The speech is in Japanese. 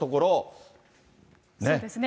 そうですね。